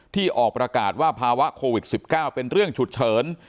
ที่ออกประกาศว่าภาวะโควิด๑๙เป็นเรื่องฉุกเฉิน